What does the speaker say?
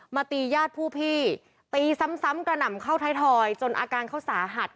ตีญาติผู้พี่ตีซ้ำกระหน่ำเข้าไทยทอยจนอาการเขาสาหัส